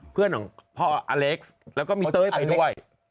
เพื่อนของพ่ออเล็กซ์แล้วก็มีเต้ยไปด้วย